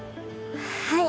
はい。